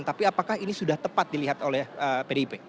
tapi apakah ini sudah tepat dilihat oleh pdip